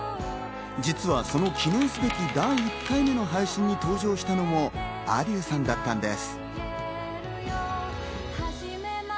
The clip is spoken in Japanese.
実はその記念すべき第１回目の配信に登場したのがａｄｉｅｕさんだったのです。